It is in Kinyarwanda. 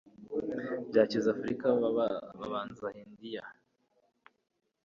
Bacyiza Afrika babanza Hindiya